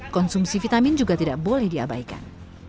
konsumsi vitamin juga tidak boleh diabaikan